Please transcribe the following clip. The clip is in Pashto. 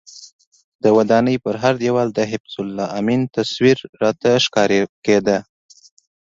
د ودانۍ پر هر دیوال د حفیظ الله امین تصویر راته ښکاره کېده.